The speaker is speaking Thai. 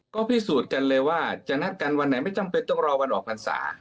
ก็พิสูจน์กันเลยว่าจะนัดกันวันไหนไม่จำเป็นต้องรอวันออกพรรษา